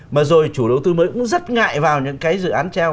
mà rồi chủ đầu tư mới cũng rất ngại vào những cái dự án treo